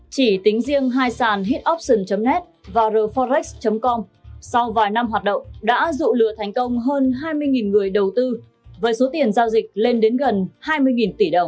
chỉ tính riêng hai sàn hepoption net và rforex com sau vài năm hoạt động đã dụ lừa thành công hơn hai mươi người đầu tư với số tiền giao dịch lên đến gần hai mươi tỷ đồng